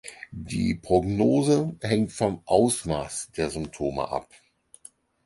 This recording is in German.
Die Prognose hängt vom Ausmaß der Symptome ab.